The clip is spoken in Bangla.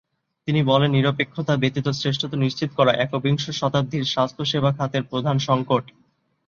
তিনি বলেন, "নিরপেক্ষতা ব্যতীত শ্রেষ্ঠত্ব নিশ্চিত করা একবিংশ শতাব্দীর স্বাস্থ্যসেবা খাতের প্রধান সংকট।"